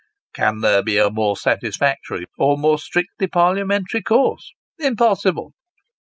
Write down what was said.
Can there be a more satisfactory, or more strictly parliamentary course ? Impossible.